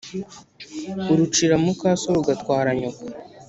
Urucira mukaso rugatwara nyoko.